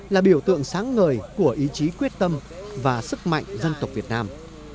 là biểu tượng sáng ngời của ý chí quyết tâm và sức mạnh dân tộc việt nam